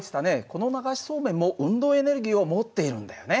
この流しそうめんも運動エネルギーを持っているんだよね。